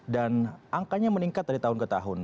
dan angkanya meningkat dari tahun ke tahun